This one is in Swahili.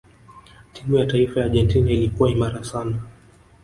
timu ya taifa ya Argentina ilikuwa imara sana